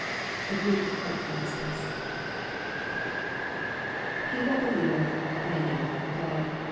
The Greek quite permits it. [He that beUeveih.,.me,..dead.